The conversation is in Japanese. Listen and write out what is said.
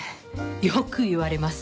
よく言われます。